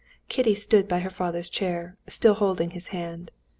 Kitty stood by her father's chair, still holding his hand.